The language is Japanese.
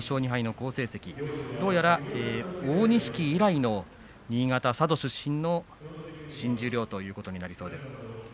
好成績どうやら大錦以来の新潟佐渡出身の新十両誕生ということになりそうです。